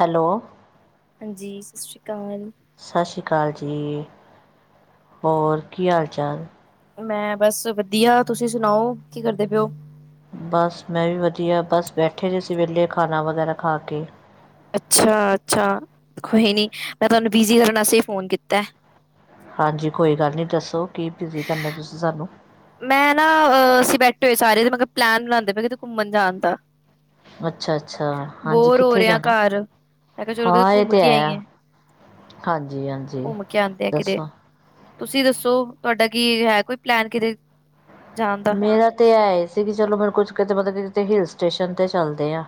Hello. ਹਾਂਜੀ, ਸਤ ਸ਼੍ਰੀ ਕਾਲ। ਸਾ ਸ੍ਰੀ ਕਾਲ ਜੀ, ਹੋਰ ਕੀ ਹਾਲ ਚਾਲ? ਮੈਂ ਬਸ ਵਧੀਆ, ਤੁਸੀਂ ਸੁਣਾਓ ਕੀ ਕਰਦੇ ਪੇਔ? ਬਸ ਮੈਂ ਵੀ ਵਧੀਆ, ਬਸ ਬੈਠੇ ਦੇ ਸੀ ਵੇਲੇ ਖਾਣਾ ਵਗੈਰਾ ਖਾ ਕੇ। ਅੱਛਾ ਅੱਛਾ, ਕੋਈ ਨੀ ਮੈਂ ਤੁਹਾਨੂੰ ਬਿਜੀ ਕਰਨ ਵਾਸਤੇ ਈ ਫੋਨ ਕੀਤੈ। ਹਾਂਜੀ, ਕੋਈ ਗੱਲ ਨੀ ਦੱਸੋ ਕੀ ਬਿਜ਼ੀ ਕਰਨੈ ਤੁਸੀਂ ਸਾਨੂੰ। ਮੈਂ ਨਾ ਅ ਅਸੀਂ ਬੈਠੇ ਹੋਏ ਸਾਰੇ ਮੈ ਕੈ ਪਲੈਨ ਬਣਾਂਦੇ ਪੇ ਕਿਤੇ ਘੁੰਮਣ ਜਾਣ ਦਾ। ਅੱਛਾ ਅੱਛਾ, ਹਾਂਜੀ ਬੋਰ ਹੋ ਕਿੱਥੇ ਰਿਹਾ ਜਾਣਾ? ਘਰ ਮੈਂ ਕਿਹਾ ਚਲੋ ਕਿਤੇ ਹਾਂ, ਏ ਘੁੰਮ ਤੇ ਕੇ ਆਈਏ। ਹੈ। ਹਾਂਜੀ ਹਾਂਜੀ, ਘੁੰਮ ਕੇ ਆਉਂਦੇ ਆ ਕਿਤੇ ਦੱਸੋ। ਤੁਸੀਂ ਦੱਸੋ ਤੁਵਾਡਾ ਕੀ ਹੈ ਕੋਈ ਪਲੈਨ ਕਿਤੇ ਜਾਣ ਦਾ? ਮੇਰਾ ਤੇ ਐਏ ਸੀ ਕੀ ਚਲੋ ਮੈ ਕੁਛ, ਕਿਤੇ ਮਤਬ ਕਿਤੇ ਹਿਲ ਸਟੇਸ਼ਨ ਤੇ ਚੱਲਦੇ ਆ।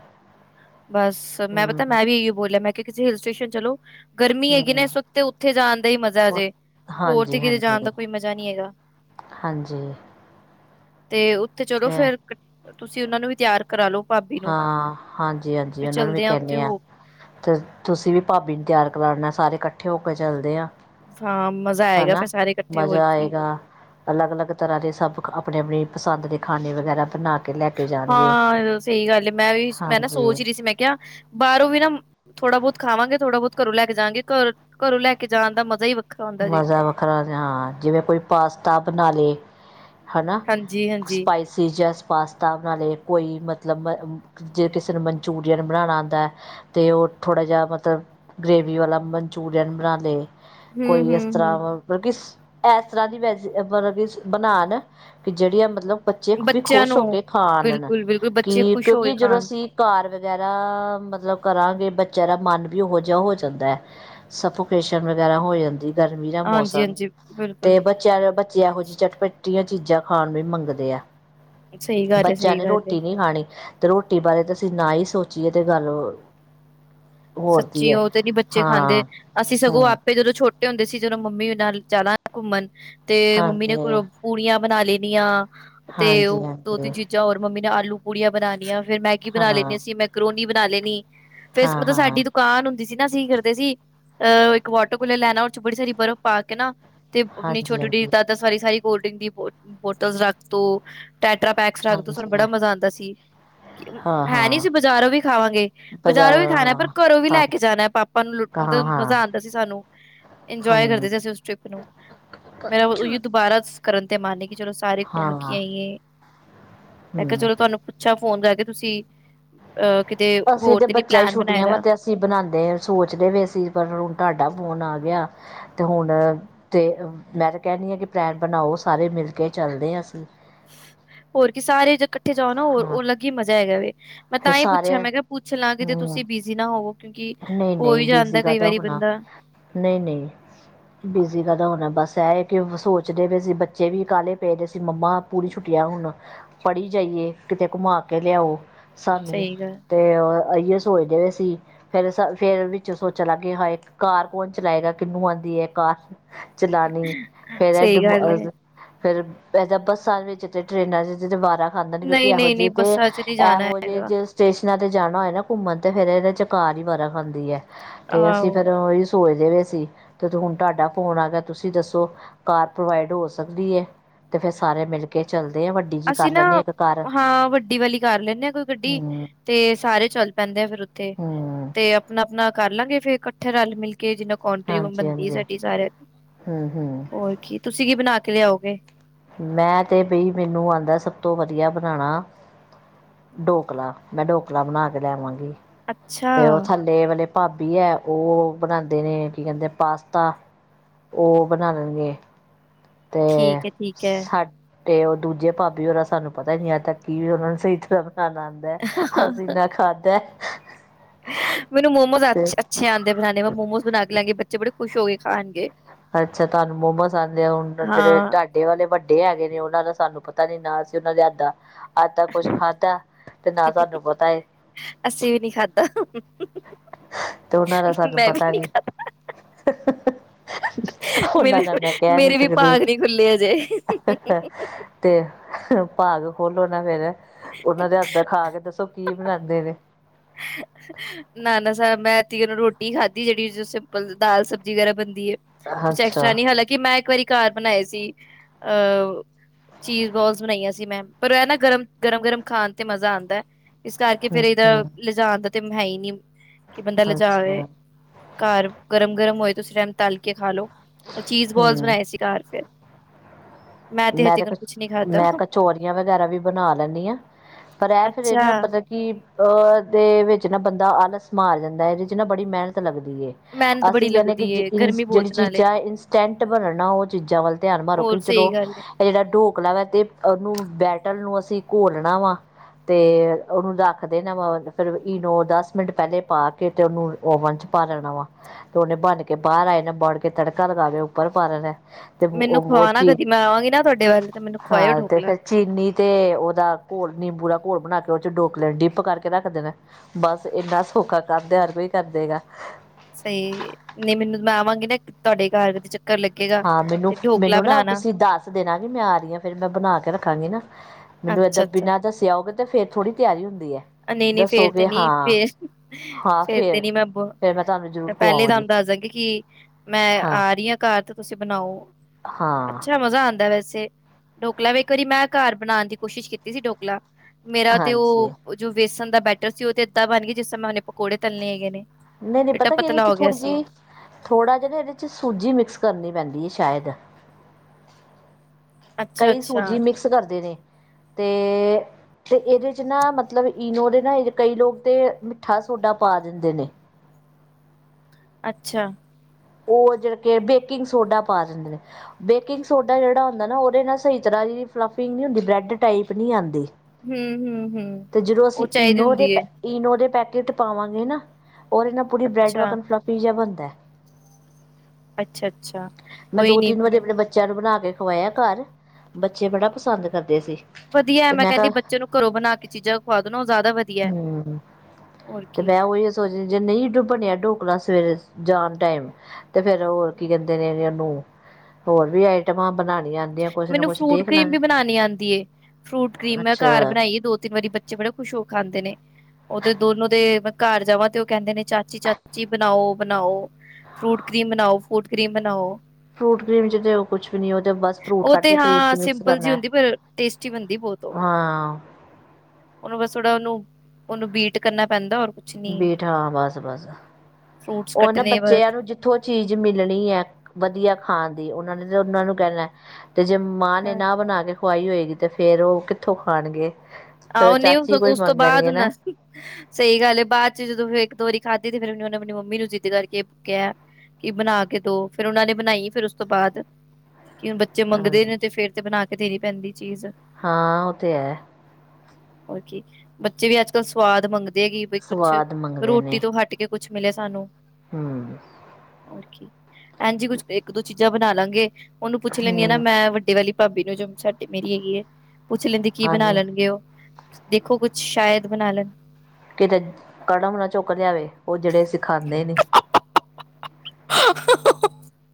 ਬਸ ਮੈਂ ਪਤਾ ਹੂੰ ਮੈਂ ਵੀ ਏਈਓ ਬੋਲਿਆ, ਮੈਂ ਕਿਆ ਕਿਸੇ ਹਿਲ ਸਟੇਸ਼ਨ ਚਲੋ ਗਰਮੀ ਹੈਗੀ ਨਾ ਹੂੰ ਇਸ ਵਕਤ ਤੇ ਉੱਥੇ ਜਾਣ ਦਾ ਈ ਮਜ਼ਾ ਉਹ ਜੇ। ਹੋਰ ਹਾਂਜੀ ਤੇ ਕਿਤੇ ਹਾਂਜੀ ਜਾਣ ਦਾ ਕੋਈ ਮਜ਼ਾ ਨੀ ਹੈਗਾ। ਹਾਂਜੀ ਤੇ ਉੱਥੇ ਚਲੋ ਤੇ ਫੇਰ ਕੱਠ ਅ ਤੁਸੀਂ ਉਨਾ ਨੂੰ ਵੀ ਤਿਆਰ ਕਰਾ ਲੋ ਭਾਬੀ ਨੂੰ ਹਾਂ ਹਾਂਜ ਜੀ ਹਾਂਜੀ ਫਿਰ ਉਹਨਾਂ ਨੂੰ ਵੀ ਚਲਦੇ ਆ ਉੱਥੇ ਕਹਿੰਦੇ ਆਂ, ਹੋ ਤੇ ਤੁਸੀਂ ਵੀ ਭਾਬੀ ਨੂੰ ਤਿਆਰ ਕਰਾ ਲੈਨਾ, ਸਾਰੇ ਕੱਠੇ ਹੋ ਕੇ ਚੱਲਦੇ ਆਂ। ਹਾਂ ਮਜ਼ਾ ਆਏਗਾ ਹਨਾ, ਫਿਰ ਸਾਰੇ ਇਕੱਠੇ ਹੋਰ ਮਜ਼ਾ ਕੀ ਆਏਗਾ। ਅਲੱਗ ਅਲੱਗ ਤਰ੍ਹਾਂ ਦੇ ਸਭ ਆਪਣੇ ਆਪਣੇ ਪਸੰਦ ਦੇ ਖਾਣੇ ਵਗੈਰਾ ਬਣਾ ਕ ਕੇ ਲੈ ਕੇ ਜਾਣਗੇ। ਈ ਗੱਲ ਏ, ਮੈਂ ਵੀ ਮੈਂ ਨਾ ਹਾਂਜੀ ਸੋਚ ਰਹੀ ਸੀ ਮੈਂ ਕਿਆ, ਬਾਹਰੋਂ ਵੀ ਨਾ ਥੋੜਾ ਬਹੁਤ ਖਾਵਾਂਗੇ ਥੋੜਾ ਬਹੁਤ ਘਰੋਂ ਲੈ ਕੇ ਜਾਂਗੇ। ਘਰ ਘਰੋਂ ਲੈ ਕੇ ਜਾਣ ਦਾ ਮਜ਼ਾ ਈ ਵੱਖ ਮਜ਼ਾ ਵੱਖਰਾ ਜ ਹਾਂ। ਜਿਵੇਂ ਕੋਈ ਪਾਸਤਾ ਬਣਾਲੇ ਹੈ ਨਾ ਹਾਂਜੀ ਹਾਂਜੀ ਸਪਾਈਸੀ ਜਿਆ ਪਾਸਤਾ ਬਣਾ ਲੇ, ਕੋਈ ਮਤਲਬ ਜੇ ਕਿਸੇ ਨੂੰ ਮਨਚੂਰੀਅਨ ਬਨਾਣਾ ਆਂਦਾ ਐ ਤੇ ਉਹ ਥੋੜ੍ਹਾ ਜਿਹਾ ਮਤਲਬ ਗ੍ਰੇਵੀ ਵਾਲਾ ਮਨਚੂਰੀਅਨ ਬਣਾ ਲੇ। ਹੂੰ ਕੋਈ ਇਸ ਹੂੰ ਤਰ੍ਹਾਂ ਹੂੰ ਮਲ ਕਿ ਏਸ ਤਰ੍ਹਾਂ ਦੀ ਵੈਜ ਮਤਲਬ ਕਿ ਬਨਾਣ ਕਿ ਜਿਹੜੀਆਂ ਮਤਲਬ ਬੱਚੇ ਵੀ ਬੱਚਿਆਂ ਖੁਸ਼ ਨੂੰ ਹੋ ਕੇ ਖਾ ਲੈਣ ਬਿਲਕੁਲ ਬਿਲਕੁਲ ਬੱਚੇ ਕਿ ਖੁਸ਼ ਹੋ ਕੇ ਕਿਉਂਕਿ ਜਦੋਂ ਖਾਣ ਅਸੀਂ ਘਰ ਵਗੈਰਾ ਮਤਲਬ ਕਰਾਂਗੇ ਬੱਚਿਆਂ ਦਾ ਮਨ ਵੀ ਉਹੋ ਜਿਹਾ ਹੋ ਜਾਂਦਾ ਐ, ਸਫੋਕੇਸ਼ਨ ਵਗੈਰਾ ਹੋ ਜਾਂਦੀ ਗਰਮੀ ਦਾ ਹਾਂਜੀ ਮੌਸਮ, ਹਾਂਜੀ ਤੇ ਬਿਲਕੁਲ ਬੱਚਿਆਂ ਦਾ, ਬੱਚੇ ਇਹੋ ਜਿਹੇ ਚਟਪਟ ਟੀਆਂ ਚੀਜ਼ਾਂ ਖਾਣ ਨੂੰ ਈ ਮੰਗਦੇ ਆ। ਸਹੀ ਗੱਲ ਹੈ ਬੱਚਿਆਂ ਸਹੀ ਨੇ ਗੱਲ ਹੈ ਰੋਟੀ ਨੀ ਖਾਣੀ। ਤੇ ਰੋਟੀ ਬਾਰੇ ਤਾਂ ਅਸੀਂ ਨਾ ਹੀ ਸੋਚੀਏ ਤੇ ਗੱਲ ਅਅ ਸੱਚੀ ਉਹ ਤੇ ਨੀ ਬੱਚੇ ਖਾਂਦੇ, ਅਸੀਂ ਸਗੋਂ ਹਮ ਆਪੇ ਜਦੋਂ ਛੋਟ ਟੇ ਹੁੰਦੇ ਸੀ, ਜਦੋਂ ਮੰਮੀ ਨਾਲ ਚਾਲਾਂ ਘੁੰਮਣ ਤੇ ਮੰਮੀ ਨੇ ਹਾਂਜੀ ਕੋ ਪੂੜੀਆਂ ਬਨਾ ਲੇਨੀਆ। ਤੇ ਹਾਂਜੀ ਉਹ ਦੋ ਤਿੰਨ ਹਾਂਜੀ ਚੀਜ਼ਾਂ ਹੋਰ ਮੰਮੀ ਨੇ ਆਲੂ ਪੂੜੀਆਂ ਬਣਾ ਲੀਆਂ ਫਿਰ ਮੈਗੀ ਬਣਾ ਲੈਂਦੀ ਸੀ ਮੈਂ ਕਰੋਨੀ ਬਣਾ ਲੈਣੀ, ਫੇਰ ਮਤਲਬ ਹਾਂ-ਹਾਂ। [unintelligible] ਹੁੰਦੀ ਸੀ ਨਾ ਸੀ ਕਰਦੇ ਸੀ ਅਹ ਵਾਟਰ ਕੂਲਰ ਲੈਣਾ ਉਹ ਚ ਬੜ ਸਾਰੀ ਬਰਫ਼ ਪਾ ਕੇ ਨਾ, ਤੇ ਆਪਣੀ ਹਾਂਜੀ, ਛੋਟੀ ਜਿਹੀ ਹਾਂਜੀ। ਦਾਦਾ ਸਵਾਰੀ ਸਾਰੀ, ਕੋਲਡ ਡਰਿੰਕ ਦੀ ਬੋਟਲ ਰੱਖ ਤੋਂ ਟੈਟਰਾ ਪੈਕਸ ਰਗ ਤੋਂ ਸਾਨੂੰ ਹਾਂਜੀ, ਬੜਾ ਮਜ਼ਾ ਆਂਦਾ ਸੀ, ਹੈ ਹਾਂ, ਹੈਨੀ ਹਾਂ ਸੀ ਬਜ਼ਾਰੋਂ ਵੀ ਖਾਵਾਂਗੇ ਬਾਜ਼ਾਰੋਂ ਵੀ ਬਜ਼ਾਰੋਂ ਖਾਣਾ ਪਰ ਹਾਂ ਵੀ ਲੈ ਖਾਣ ਕੇ ਜਾਣਾ ਪਾਪਾ ਨੂੰ ਹਾਂ, ਲੂੱਟਨ ਹਾਂ, ਮਜ਼ਾ ਆਉਂਦਾ ਸੀ ਸਾਨੂੰ ਇੰਜੋਏ ਹੂੰ, ਕਰਦੇ ਸੀ ਅਸੀਂ ਉਸ ਟ੍ਰਿਪ ਨੂੰ ਮੇਰਾ ਉਹੀ ਦੁਬਾਰਾ ਕਰਨ ਤੇ ਮਨ ਕੀ ਚਲੋ ਸਾਰੇ ਘੁੰਮ ਕੇ ਹਾਂ, ਆਈਏ। ਮੈਂ ਕਿਹਾ ਹੂੰ। ਚਲੋ ਤੁਹਾਨੂੰ ਪੁੱਛਾ ਫੋਨ ਕਰਕੇ ਤੁਸੀਂ ਅ ਕਿਤੇ ਅਸੀਂ ਹੋਰ ਤੇ ਨੀ ਬੱਚਿਆਂ ਪਲੈਨ ਬਣਾਏ ਛੁੱਟੀਆਂ ਵਾ ਦਾ, ਤੇ ਅਸੀਂ ਬਣਾਉਂਦੇ ਸੋਚਦੇ ਵੀਏ ਅਸੀਂ ਪਰ ਹੁਣ ਤੁਹਾਡਾ ਫੋਨ ਆ ਗਿਆ ਤੇ ਹੁਣ ਤੇ ਮੈਂ ਤਾਂ ਕਹਿਣੀ ਆ ਕਿ ਪਲੈਨ ਬਣਾਓ ਸਾਰੇ ਮਿਲ ਕੇ ਚੱਲਦੇ ਹਾਂ ਅਸੀਂ, ਹੋਰ ਕੀ ਸਾਰੇ ਜ ਇੱਥੇ ਜਾਓ ਨਾ ਹਾਂ ਉਹ ਅਲੱਗ ਹੀ ਮਜ਼ਾ ਹੈਗਾ ਵ ਮੈਂ ਫਿਰ ਤਾਂ ਹੀ ਪੁੱਛਿਆ ਸਾਰੇ ਮੈਂ ਕਿਹਾ ਪੁੱਛ ਲਾਂ ਕਿਤੇ ਹੂੰ, ਤੁਸੀਂ ਬਿਜ਼ੀ ਨਾ ਹੋਵੋ। ਕਿਉਂਕਿ ਨਹੀਂ ਹੋ ਨਹੀਂ ਹੀ ਬਿਜੀ ਜਾਂਦਾ ਦਾ ਕਈ ਦਾ ਵਾਰੀ ਹੋਣਾ ਬੰਦਾ ਨਹੀਂ ਨਹੀਂ ਬਿਜੀ ਦਾ ਹੁਣ ਬਸ ਇਹ ਕਿ ਸੋਚਦੇ ਪਏ ਸੀ ਬੱਚੇ ਵੀ ਕਾਹਲੇ ਪਏਦੇ ਸੀ ਮੰਮਾ ਪੂਰੀ ਛੁੱਟੀਆਂ ਹੁਣ ਪੜ੍ਹੀ ਜਾਈਏ ਕਿਤੇ ਘੁਮਾ ਕੇ ਲਿਆਓ। ਸਾਨੂੰ ਸਹੀ ਗੱਲ ਤੇ ਆਈਏ ਸੋਚਦੇ ਹੋਏ ਸੀ। ਫਿਰ ਸ ਫੇਰ ਵਿੱਚੋਂ ਸੋਚਣ ਲੱਗਏ ਹਾਂ ਕਾਰ ਕੌਣ ਚਲਾਏਗਾ ਕਿਹਨੂੰ ਆਉਂਦੀ ਹੈ ਕਾਰ। ਚਲਾਉਣੀ ਫੇਰ ਇਹ ਸਹੀ ਦਮ ਗੱਲ ਹੈ ਫਿਰ ਇਹਦ ਬੱਸਾਂ ਵਿੱਚ ਤੇ ਟ੍ਰੇਨਾਂ ਚ ਦਬਾਰਾ ਖਾਂਦਾ ਨੀ ਕਿਉਂਕਿ ਨਹੀਂ ਇਹੋ ਨਹੀਂ ਨਹੀਂ ਜਿ ਤੇ ਬੱਸਾਂ ਚ ਨਹੀਂ ਜਾਣਾ ਇਹੋ ਜਿਹੇ ਹੈਗਾ ਜੇ ਸਟੇਸ਼ਨ ਮੈਂ ਤੇ ਜਾਣਾ ਹੋਏ ਨਾ ਘੁੰਮਣ ਤੇ ਫਿਰ ਇਹਦੇ ਘਰ ਹੀ ਬਰਫ਼ ਆਂਦੀ ਹੈ। ਤੇ ਅਸੀਂ ਫੇਰ ਆਹੋ ਉਹੀ ਸੋਚਦੇ ਵੀ ਤੇ ਹੁਣ ਤੁਹਾਡਾ ਫੋਨ ਆ ਗਿਆ ਤੁਸੀਂ ਦੱਸੋ ਕਾਰ ਪ੍ਰੋਵਾਈਡ ਹੋ ਸਕਦੀ ਹੈ ਤੇ ਫੇਰ ਸਾਰੇ ਮਿਲ ਕੇ ਚੱਲ ਅਸੀਂ ਨਾ ਹਾਂ ਵੱਡੀ ਵਾਲੀ ਕਰ ਲੈਂਦੇ ਹਾਂ ਕੋਈ ਗੱਡੀ ਹੂੰ ਤੇ ਸਾਰੇ ਚੱਲ ਪੈਂਦੇ ਆ ਫਿਰ ਉੱਥੇ। ਹੂੰ ਤੇ ਆਪਣਾ ਆਪਣਾ ਕਰ ਲਾ ਫੇਰ ਇਕੱਠੇ ਰਲ ਮਿਲ ਕੇ ਜਿੰਨਾ ਕਾਂਟੀ ਹਾਂਜੀ ਬਣਦੀ ਹਾਂਜੀ ਸਾਡੀ ਸਾਰਿਆਂ ਹੂੰ ਹੂੰ ਹੋਰ ਕੀ ਤੁਸੀਂ ਕੀ ਬਣਾ? ਲਿਆਓਗੇ ਕਿ ਮੈਂ ਤੇ ਬਈ ਮੈਨੂੰ ਆਂਦਾ ਸਭ ਤੋਂ ਵਧੀਆ ਬਣਾਣਾ ਢੋਕਲਾ ਮੈਂ ਢੋਕਲਾ ਬਣਾ ਕੇ ਲੈਵਾਂਗੀ। ਅੱਛਾ ਤੇ ਉਹ ਥੱਲੇ ਵਲੇ ਭਾਬੀ ਹੈ ਉਹ ਬਣਾਂਦੇ ਨੇ ਕੀ ਕਹਿੰਦੇ ਪਾਸਤਾ ਉਹ ਬਣਾ ਲੈਣਗੇ ਤੇ ਕੈ ਤੇ ਉਹ ਦੂਜੇ ਭਾਬੀ ਹੋਰ ਸਾਨੂੰ ਪਤਾ ਨੀ ਅੱਜ ਤਕ ਕੀ ਉਹਨਾ ਨੂੰ ਸਹੀ ਤਰ੍ਹਾਂ ਆਂਦਾ ਹੈ ਹਸੀਂ ਨਾ ਖਾਧਾ। ਮੈਨੂੰ ਮੋਮੋਜ਼ ਤੇ ਅੱਛੇ ਆਂਦੇ ਬਣਾਣੇ ਮੈਂ ਮੋਮੋਸ ਬਣਾ ਕੇ ਲਵਾਂਗੀ ਬੱਚੇ ਬੜੇ। ਖੁਸ਼ ਹੋ ਗਏ ਖਾਣਗੇ। ਅੱਛਾ ਤੁਹਾਨੂੰ ਮੋਮਜ ਆਂਦੇ ਹੁਣ ਜਿਹੜੇ ਹਾਂ ਢਾਡੇ ਵਾਲੇ ਵੱਡੇ ਹੈਗੇ ਨੇ ਉਹਨਾਂ ਨੇ ਸਾਨੂੰ ਪਤਾ। ਪਤਾ ਨੀ ਨਾਲ ਸੀ ਉਹਨਾਂ ਦੇ ਹੱਥ ਦਾ। ਆਦਾ ਕੁਛ ਖਾਧਾ ਤੇ ਨਾ ਸਾਨੂੰ ਪਤਾ ਏ। ਅਸੀਂ ਵੀ ਨੀ ਖਾਧਾ ਤੇ ਉਹਨਾਂ ਦਾ ਸਾਨੂੰ ਮੈਂ ਵੀ ਪਤਾ ਨਹੀਂ ਨੀ ਖਾਧਾ ਉਹਨਾਂ ਦਾ ਮੈਂ ਮੇਰੇ- ਕਹਿ ਨੀ ਮੇਰੇ ਵੀ ਸਕਦੀ ਭਾਗ ਨੀ ਖੁੱਲ੍ਹੇ ਅਜੇ। ਤੇ ਭਾਗ ਖੋਲੋ ਨਾ ਫੇਰ। ਉਹਨਾਂ ਦੇ ਅੰਦਰ ਖਾ ਕੇ ਦੱਸੋ ਕੀ ਬਣਾਦੇ ਨੇ। ਨਾ-ਨਾ ਮੈਂ ਤੇ ਹੁਣ ਅੱਧੀ ਰੋਟੀ ਖਾਧੀ ਜਿਹੜੀ ਸਿੰਪਲ ਦਾਲ ਸਬਜ਼ੀ ਵਗੈਰਾ ਬਣਦੀ। ਬਣਦੀ ਆ ਕੁਛ ਐਕਸਟਰਾ ਅੱਛਾ ਨੀਂ ਹਾਲਾਂਕਿ ਮੈਂ ਇੱਕ ਵਾਰੀ ਘਰ। ਬਣਾਏ ਸੀ ਅਹ ਚੀਜ਼ ਬੋਲਸ ਬਣਾਈਆਂ ਸੀ ਮੈਂ ਪਰ ਐ ਨਾ ਗਰਮ- ਗਰਮ- ਗਰਮ ਖਾਣ ਤੇ ਮਜ਼ਾ ਆਦਾ। ਇਸ ਕਰਕੇ ਫੇਰ ਹਮ ਇਹਦਾ। ਹਮ ਜਾਣ ਦਾ ਤੇ ਮੈਨੂੰ ਹੈ ਨੀਂ। ਕਿ ਬੰਦਾ ਲਜਾਵੇ। ਅੱਛਾ ਘਰ ਗਰਮ-ਗਰਮ ਹੋਏ ਤੁਸੀਂ ਇਹਨੂੰ ਤਲ ਕੇ ਖਾ ਲੋ। ਚੀਜ਼ ਬੋਲਸ ਹਮ ਬਣਾਏ ਸੀ ਰਾਤ ਫੇਰ। ਮੈਂ ਤੇ ਕੁਛ ਨੀ ਫੇਰ ਖਾਧਾ। ਮੈਂ ਕਚੋਰੀਆਂ ਵਗੈਰਾ ਵੀ ਬਣਾ ਲੈਂਣੀ ਹਾਂ। ਪਰ ਇਹ ਫੇਰ ਇਹ ਅੱਛਾ ਨਾ ਮਤਲਬ ਕਿ ਅਹ ਦੇ। ਵਿੱਚ ਨਾ ਬੰਦਾ ਆਲਸ ਮਾਰ ਜਾਂਦਾ ਇਹਦੇ ਚ ਨਾ ਬੜੀ ਮਿਹਨਤ ਲੱਗਦੀ। ਏ ਮਿਹਨਤ ਬੜੀ ਅਸੀਂ ਕਹਿੰਦੇ ਕਿ ਲੱਗਦੀ ਏ ਜਿੰਨੀ ਗਰਮੀ ਜਿਹੜੀ ਬਹੁਤ ਚੀਜ਼ ਨਾਲੇ ਇੰਸਟੈਂਟ ਬਣਨਾ ਉਹ ਚੀਜ਼ਾਂ ਵੱਲ ਧਿਆਨ ਮਾਰੋ ਕਿ ਹੋਰ ਚਲੋ। ਸਹੀ ਗੱਲ ਇਹ ਜਿਹੜਾ ਢੋਕਲਾ ਵਾ ਤੇ ਉਹਨੂੰ। ਬੈਟਲ ਨੂੰ ਅਸੀਂ ਘੋਲਣਾ ਵਾ, ਤੇ ਉਹਨੂੰ ਰੱਖ ਦੇਣਾ ਵਾ ਫੇਰ ਇਨੋ ਦਸ ਮਿੰਟ ਪਹਿਲੇ ਪਾ ਕੇ ਤੇ ਉਹਨੂੰ ਓਵਨ ਚ ਪਾ ਲੈਣਾ ਵਾ, ਤੇ ਉਹਨੇ ਬੰਨ ਕੇ ਬਾਹਰ ਆ ਜਾਂਦਾ ਵਾ, ਮੁੜ ਕਿ ਤੜਕਾ ਲਗਾ ਕੇ ਉੱਪਰ ਪਾ ਦੇਣਾ। ਤੇ ਮੈਨੂੰ ਉਹ ਹੀ ਖਵਾਣਾ ਚੀ। ਕਦੀ ਮੈਂ ਆਵਾਂਗੀ ਨਾ ਤੁਹਾਡੇ ਵੱਲ ਤੇ ਮੈਨੂੰ ਖਵਾਇਓ ਹਾਂ ਤੇ ਢੋਕਲਾ ਫੇਰ ਚੀਨੀ ਤੇ ਉਹਦਾ ਘੋਲ। ਨਿੰਬੂ ਦਾ ਘੋਲ ਬਣਾ ਕੇ ਉਹ ਚ ਡੋਕਲਾ ਡਿੱਪ ਕਰਕੇ ਰੱਖ ਦੇਣਾ ਬਸ ਇੰਨਾ ਸੌਖਾ ਕਰਦੇ ਹਰ ਕੋਈ ਕਰਦੇ ਨੇ। ਸਹੀ ਨਹੀਂ ਮੈਨੂੰ ਮੈਂ ਆਵਾਂਗੀ ਨਾ ਤੁਹਾਡੇ ਘਰ ਵਿੱਚ ਹਾਂ ਮੈਨੂੰ ਮੈਨੂੰ ਨਾ ਤੁਸੀਂ ਦੱਸ ਦੇਣਾ ਕਿ ਮੈਂ ਆ ਰਹੀ ਹਾਂ ਫੇਰ ਮੈਂ ਬਣਾ ਕੇ ਰੱਖਾਂਗੀ ਨਾ। ਮੈਨੂੰ ਅੱਛਾ ਏਦਾਂ ਅੱਛਾ ਬਿਨਾਂ ਦੱਸਿਆ ਆਉਗੇ ਤੇ ਫੇਰ ਥੋੜੀ ਤਿਆਰੀ ਹੈ। ਨਹੀਂ ਨਹੀਂ ਫੇਰ ਤੇ ਦੱਸੋਗੇ ਨਹੀਂ ਹਾਂ ਫੇਰ ਫੇਰ ਤੇ ਨੀ ਮੈਂ ਫੇਰ ਮੈਂ ਤੁਹਾਨੂੰ ਜ਼ਰੂਰ ਪਹਿਲੇ ਖਵਾਵਾਂਗੀ ਤੁਹਾਨੂੰ ਦੱਸਦਾਗੀ ਕਿ ਮੈਂ ਆ ਰਹੀ ਹਾਂ ਘਰ ਤੋਂ ਤੁਸੀਂ ਬਣਾਓ। ਹਾਂ ਅੱਛਾ ਮਜ਼ਾ ਆਉਂਦਾ ਵੈਸੇ ਡੋਕਲਾ ਵੇਖ ਵਾਰੀ ਮੈਂ ਘਰ ਬਣਾਉਣ ਦੀ ਕੋਸ਼ਿਸ਼ ਕੀਤੀ ਸੀ ਡੋਕਲਾ ਮੇਰਾ ਤੇ ਹਾਂਜੀ। ਉਹ ਵੇਸਨ ਦਾ ਬੈਟਰ ਸੀ ਉਹ ਤੇ ਇੱਦਾਂ ਬਣ ਗਏ ਜਿਸ ਸਮੇਂ ਆਪਣੇ ਪਕੌੜੇ ਤਲਣੇ ਹੈਗੇ ਨੇ ਨਹੀਂ ਨਹੀਂ ਏਡਾ ਪਤਾ ਕੀ ਇਹਦੇ ਪਤਲਾ ਚ ਹੋ ਗਿਆ ਥੋੜ੍ਹੀ ਸੀ ਜਿਹੀ ਥੋੜਾ ਜਿਹਾ ਨਾ ਇਹਦੇ ਚ ਸੂਜੀ ਮਿਕਸ ਕਰਨੀ ਪੈਂਦੀ ਏ। ਸ਼ਾਇਦ ਅੱਛਾ ਕਈ ਅੱਛਾ ਸੂਜੀ ਮਿਕਸ ਕਰਦੇ ਨੇ ਤੇ ਤੇ ਇਹਦੇ ਚ ਨਾ ਮਤਲਬ ਇਨੋ ਦੇ ਨਾ ਕਈ ਲੋਕ ਤੇ ਮਿੱਠਾ ਸੋਡਾ ਪਾ ਦਿੰਦੇ ਨੇ ਅੱਛਾ ਉਹ ਜਿਹੜਾ ਕਿ ਬੇਕਿੰਗ ਸੋਡਾ ਪਾ ਦਿੰਦੇ ਨੇ ਬੇਕਿੰਗ ਸੋਡਾ ਜਿਹੜਾ ਹੁੰਦਾ ਨਾ ਉਹਦੇ ਨਾਲ ਸਹੀ ਤਰ੍ਹਾਂ ਦੀ ਫਲਫਿੰਗ ਨੀ ਹੁੰਦੀ ਬ੍ਰੈਡ ਟਾਈਪ ਨਹੀਂ ਆਉਂਦੀ। ਹੂੰ ਹੂੰ ਤੇ ਜਦੋਂ ਉਹ ਅਸੀਂ ਚਾਹੀਦੀ ਇਨੋ ਹੁੰਦੀ ਦੇ ਪ ਏ ਇਨੋ ਦੇ ਪੈਕ ਕਿਟ ਪਾਵਾਂਗੇ ਨਾ ਔਰ ਇਹ ਨਾ ਪੂਰੀ ਬ੍ਰੈਡ ਅੱਛਾ, ਵਗਨ ਫਲੱਫੀ ਜਿਹਾ ਬਣਦਾ ਅੱਛਾ, ਅੱਛਾ ਮੈਂ ਕੋਈ ਦੋ ਨੀ ਤਿੰਨ ਵਾਰੀ ਮੈਂ ਆਪਣੇ ਬੱਚਿਆਂ ਨੂੰ ਬਣਾ ਕੇ ਖਵਾਇਆ ਘਰ ਬੱਚੇ ਬੜਾ ਪਸੰਦ ਕਰਦੇ ਸੀ। ਵਧੀਆ ਮੈਂ ਕਹਿੰਦੀ ਬੱਚੇ ਨੂੰ ਘਰੋਂ ਬਣਾ ਕੇ ਚੀਜ਼ਾਂ ਖਵਾ ਦੋ ਨਾ ਉਹ ਜ਼ਿਆਦਾ ਵਧੀਆ ਹੂੰ ਹੋਰ ਤੇ ਕੀ ਮੈਂ ਉਹੀ ਸੋਚਦੀ ਜੇ ਨਹੀਂ ਡੁੱਬ ਢੋਕਣਾ ਸਵੇਰੇ ਜਾਣ ਟਾਈਮ ਤੇ ਫੇਰ ਹੋਰ ਕੀ ਕਹਿੰਦੇ ਨੇ ਉਹਨੂੰ ਹੋਰ ਵੀ ਆਈਟਮਾਂ ਬਣਾਣੀਆਂ ਮੈਨੂੰ ਫਰੂਟ ਕਰੀਮ ਵੀ ਬਣਾਣੀ ਆਉਂਦੀ ਹੈ ਫਰੂਟ ਕਰੀਮ ਮੈਂ ਘਰ ਅੱਛਾ ਬਣਾਈ ਹੈ ਦੋ ਤਿੰਨ ਵਾਰੀ ਬ ਚੇ ਬੜੇ ਖੁਸ਼ ਹੋ ਖਾਂਦੇ ਨੇ ਉਹ ਤੇ ਦੋਨੋਂ ਦੇ ਘਰ ਜਾਵਾਂ ਤੇ ਉਹ ਕਹਿੰਦੇ ਨੇ ਚਾਚੀ ਚਾਚੀ ਬਣਾਓ ਬਣਾਓ ਫਰੂਟ ਕਰੀਮ ਬਣਾਓ ਫੂਟ ਕਰੀਮ ਬਣਾਓ ਫਰੂਟ ਕਰੀਮ ਅਜੇ ਉਹ ਕੁਛ ਵੀ ਨੀ ਉਹ ਤੇ ਬਸ ਫਰੂਟ ਉਹ ਕੱਟ ਤੇ ਕੇ ਕਰੀਮ ਹਾਂ ਚ ਮਿਕਸ ਸਿੰਪਲ ਜੀ ਕਰਨਾ ਹੁੰਦੀ ਪਰ ਟੇਸਟੀ ਬਣਦੀ ਬਹੁਤ ਉਹ ਹਾਂ ਉਹ ਨੂੰ ਬਸ ਥੋੜਾ ਉਹਨੂੰ ਉਹਨੂੰ ਬੀਟ ਕਰਨਾ ਪੈਂਦਾ ਔ ਬੀਟ ਹਾਂ ਬਸ ਬਸ ਫਰੂਟਸ ਉਹਨਾਂ ਕੱਟਣੇ ਬਸ ਬੱਚਿਆਂ ਨੂੰ ਜਿੱਥੋਂ ਚੀਜ਼ ਮਿਲਣੀ ਹੈ ਵਧੀਆ ਖਾਣਦੀ ਉਹਨਾਂ ਨੇ ਤਾਂ ਉਹਨਾਂ ਨੂੰ ਕਹਿਣਾ ਤੇ ਜੇ ਮਾਂ ਨੇ ਨਾ ਬਣਾ ਕੇ ਖਵਾਈ ਹੋਏਗੀ ਤੇ ਫਿਰ ਉਹ ਕਿੱਥੋਂ ਖਾਣਗੇ ਆਹੋ ਫੇਰ ਉਹ ਨਹੀਂ ਹੋ ਚਾਚੀ ਸਗੋਂ ਕੋਈ ਉਸ ਤੋਂ ਬਾਅਦ ਮੰਗਣਗੇ ਨਾ ਉਹਨਾਂ ਸਹੀ ਗੱਲ ਏ ਬਾਅਦ ਚ ਜਦੋਂ ਫਿਰ ਇੱਕ ਦੋ ਵਾਰੀ ਖਾਧੀ ਤੇ ਫਿਰ ਉਹਨੇ ਆਪਣੀ ਮੰਮੀ ਨੂੰ ਜਿੱਦ ਕਰਕੇ ਕਿਹਾ ਕਿ ਬਣਾ ਕੇ ਦੋ ਫੇਰ ਉਹਨਾਂ ਨੇ ਬਣਾਈ ਫਿਰ ਉਸ ਤੋਂ ਬਾਅਦ ਕਿਉਂ ਬੱਚੇ ਹਾਂ ਮੰਗਦੇ ਨੇ ਤੇ ਫੇਰ ਤੇ ਬਣਾ ਕੇ ਕਿਤੇ ਨੀ ਪੈਂਦੀ ਚੀਜ਼, ਹਾਂ ਉਹ ਤੇ ਹੈ। ਹੋਰ ਕੀ ਬੱਚੇ ਵੀ ਅੱਜ ਕਲ ਸਵਾਦ ਮੰਗਦੇ। ਹੈਗੀ ਬਈ ਕੁਛ ਸਵਾਦ ਮੰਗਦੇ ਰੋਟੀ ਨੇ ਤੋਂ ਹੱਟ ਕੇ, ਕੁਛ ਮਿਲੇ ਸਾਨੂੰ ਹੂੰ, ਹੋਰ ਕੀ ਹਾਂਜੀ ਕੁਛ ਇੱਕ ਦੋ ਚੀਜ਼ ਜਾਂ ਬਣਾ ਲਾਂਗੇ। ਉਹਨੂੰ ਪੁੱਛ ਲੈਣੀ ਆ ਨਾ ਹੂੰ ਮੈਂ ਵੱਡੇ ਵਾਲੀ, ਭਾਬੀ ਨੂੰ ਜੋ ਸਾਡੀ ਮੇਰੀ ਹੈਗੀ ਹੈ। ਪੁੱਛ ਲੈਂਦੀ ਕੀ ਬਣਾ ਹਾਂਜੀ ਲੈਣ ਦੇਖੋ ਕੁਛ ਸ਼ਾਇਦ ਬਣਾ ਲੈਣ, ਕਿਤੇ ਕੜਮ ਨਾ ਚੁੱਕ ਲਿਆਵੇ, ਉਹ ਜਿਹੜੇ ਸਿਖਾਦੇ ਨੇ, [unintelligible]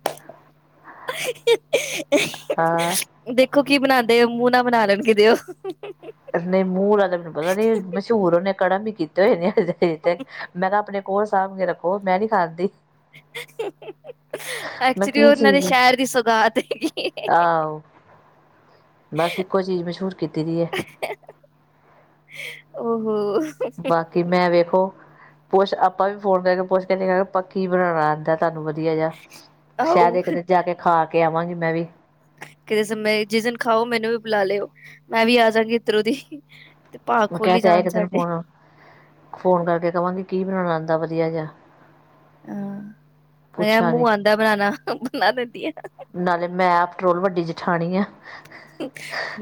ਹਾਂ ਦੇਖੋ ਕੀ ਬਣਾਦੇ, ਦੇ ਮੂੰਹ ਨਾ ਬਣਾ ਲੈਣ ਕਿਤੇ ਉਹ ਨੇ ਮੂਹ ਵਾਲਾ ਮੈਨੂੰ ਪਤਾ ਨਹੀਂ ਮਸ਼ਹੂਰ ਉਹਨੇ ਕੜਮ ਵੀ ਕੀਤੀ। ਹੋਏ ਨੇ, ਤੇ ਮੈਂ ਕਿਹਾ ਆਪਣੇ ਔ ਸਬ ਕੇ ਰੱਖੋ ਮੈਂ ਨੀ ਖਾਦੀ, ਮੈਂ ਐਕਚੁਲੀ ਉਹ ਕੀ ਉਹਨਾਂ ਦੇ ਚੀਜ਼ ਸ਼ਹਿਰ ਦੀ ਸੌਗਾਤ ਹੈਗੀ ਐ। ਆਹੋ ਬਸ ਇੱਕੋ ਚੀਜ਼ ਮਸ਼ਹੂਰ ਕੀਤੀ ਦੀ ਹੈ। ਹੂੰ, ਬਾਕੀ ਮੈਂ ਵੇਖੋ, ਪੁੱਛ ਆਪਾਂ ਵੀ ਫੋਨ ਕਰਕੇ ਪੁੱਛ ਕਹਿੰਦੇ ਪੱਕੀ ਬਣਾਣਾ ਆਦਾ। [unintelligible] ਸਾਨੂੰ ਵਧੀਆ ਜਾ ਸ਼ਾਇਦ ਆਓ ਇੱਕ ਦਿਨ ਜਾ ਕੇ ਖਾ, [unintelligible] ਕੇ ਆਵਾਂਗੀ ਮੈਂ ਵੀ, [unintelligible] ਕਿਤੇੇ ਜਿਸ ਦਿਨ ਖਾਓ ਮੈਨੂੰ ਵੀ ਬੁਲਾ ਲਿਓ ਮੈਂ ਵੀ ਆ ਜਾਵਾਂਗੀ ਇੱਧਰੋਂ ਦੀ ਤੇ ਭਾਅ ਮੈਂ ਕਿਹਾ ਖੋਲੀ ਤੇ ਆ ਜਾਣ ਇੱਕ ਦਿਨ ਸਾਡੇ ਫੋਨ ਫੋਨ ਕਰਕੇ। [unintelligible] ਕਹਾਂਗੇ ਕੀ ਬਣਾਣਾ ਆਉਂਦਾ ਵਧੀਆ ਜਿਹਾ ਹਾਂ [unintelligible] ਮੈ ਕਿਹਾ ਪੁੱਛਾਂਗੀ ਮੂੰਹ ਆਦਾ ਬਣਾਣਾ ਬਣਾ ਦਿਨੀ ਆ। ਥਾਣੀਆਂ, [unintelligible]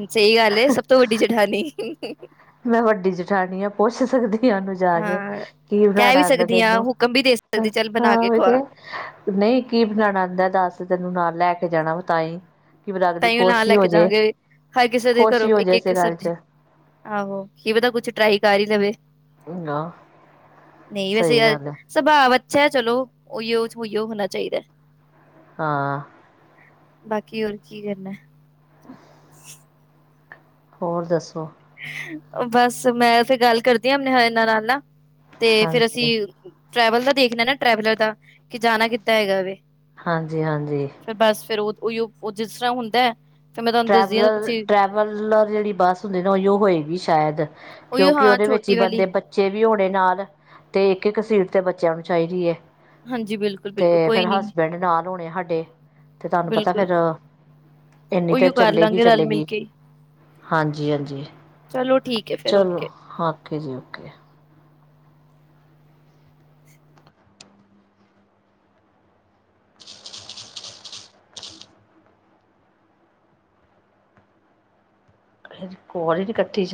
ਸਹੀ ਗੱਲ ਹੈ ਸਭ ਤੋਂ ਵੱਡੀ ਜੇਠਾਨੀ ਹ [unintelligible] ਮੈਂ ਵੱਡੀ ਜੇਠਾਣੀ ਆ ਪੁੱਛ ਸਕਦੀ ਪੁੱਛੀ ਤੇ ਜਾਨਦੀ ਕੇ ਹਾਂ ਕੀ ਕਹਿ ਵੀ ਬਣਾਉਣਾ ਆਉਂਦਾ ਸਕਦੀ ਹਾਂ ਤੈਨੂੰ ਹੁਕਮ ਵੀ ਦੇ ਸਕਦੀ ਚੱਲ ਬਣਾ ਕੇ ਹਾਂ ਤੇ ਖਵਾ ਨਹੀਂ ਕੀ ਬਣਾਉਣਾ ਆਉਂਦਾ ਦੱਸ ਤੈਨੂੰ ਨਾਲ ਲੈ ਕੇ ਜਾਣਾ ਵਾ ਤਾਂ ਹੀ [unintelligible] ਤਾਂ ਹੀ ਉਹ ਨਾਲ ਲੈ ਹੋ ਕੇ ਜੇ ਜਾਵਾਂਗੇ ਹਰ ਕਿਸੇ ਦੇ ਖੁਸ਼ ਘਰੋਂ ਹੀ ਹੋ ਇੱਕ ਜੇ ਇੱਕ ਇਸੇ ਗੱਲ ਸਬਜ਼ੀ ਚ ਆਹੋ ਕੀ ਪਤਾ ਕੁਛ ਟਰਾਈ ਕਰ ਹੀ ਦੇਵੇ। ਹੈ ਨਾ [unintelligible] ਨਹੀਂ ਵੈਸੇ ਸਹੀ ਗੱਲ ਸੁਭਾਅ ਵਧੀਆਂ ਅੱਛਾ ਚਲੋ ਉਹੀਓ ਉਹੀਓ ਹੋਣਾ ਚਾਹੀਦਾ। ਹਾਂ। ਬਾਕੀ ਹੋਰ ਕੀ ਕਰਨਾ। [inaudible] ਹੋਰ ਦੱਸੋ? ਬਸ ਮੈਂ ਉਥੇ ਗੱਲ ਕਰਦੀ ਹਾਂ ਆਪਣੇ [unintelligible] ਤੇ ਫੇਰ ਅਸੀਂ ਹਾਂਜੀ ਟ੍ਰੈਵਲ ਦਾ ਦੇਖ ਨਾ ਟਰੈਵਲਰ ਦਾ ਕਿ ਜਾਣਾ ਕਿੱਥੇ ਹੈਗਾ ਵੇ ਹਾਂਜੀ -ਹਾਂਜੀ ਉਹੀ ਉਹ ਜਿਸ ਤਰ੍ਹਾਂ ਹੁੰਦਾ ਹੈ। ਫਿਰ ਮੈਂ ਤੁਹਾਨੂੰ ਦੱਸਦੀ ਹਾਂ ਟਰੈਵਲਰ ਤੁਸੀਂ ਟਰੈਵਲਰ ਜਿਹੜੀ ਬੱਸ ਹੁੰਦੀ। ਉਹ ਹੀ ਹੋਏਗੀ ਸ਼ਾਇਦ ਉਹੀਓ ਕਿਉਂਕਿ ਹਾਂ ਉਹਦੇ ਵਿੱਚ ਹੀ ਛੋਟੀ ਬੰਦੇ ਵਾਲੀ ਬੱਚੇ ਵੀ ਹੋਣ ਆਪਣੇ ਨਾਲ ਤੇ ਇੱਕ ਇੱਕ ਸੀਟ ਤੇ ਬੱਚਿਆਂ ਨੂੰ ਚਾਹੀਦੀ ਹੈ। ਹਾਂਜੀ ਬਿਲਕੁਲ-ਬਿਲਕੁਲ ਤੇ ਫੇਰ ਕੋਈ ਨੀ ਹਸਬੈਂਡ ਨਾਲ ਹੋਣੇ ਸਾਡੇ ਤੇ ਤੁਹਾਨੂੰ ਪਤਾ ਫੇਰ ਇੰਨੀ ਚਿਰ ਕਰਲਾਂਗੇ ਰਲ ਮਿਲ ਕੇ ਹਾਂਜੀ ਹਾਂਜੀ ਚਲੋ ਠੀਕ ਹੈ ਫਿਰ ਚਲੋ ਓਕੇ ਓਕੇ ਜੀ। [unintelligible] ਓਕੇ [unintelligible] ਫਿਰ ਕਾਲਜ ਇਕੱਠੇ ਜਾਂਦੇ।